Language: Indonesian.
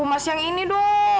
mas yang ini dong ya